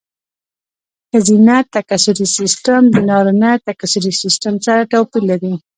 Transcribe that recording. ښځینه تکثري سیستم د نارینه تکثري سیستم سره توپیر لري.